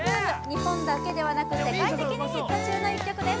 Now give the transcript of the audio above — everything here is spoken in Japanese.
日本だけではなく世界的にヒット中の１曲です